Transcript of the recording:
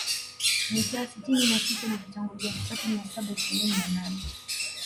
Mitaa sitini na sita na Vitongoji elfu tatu mia saba ishirini na nane